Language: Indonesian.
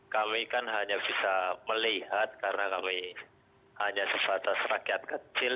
kami kan hanya bisa melihat karena kami hanya sebatas rakyat kecil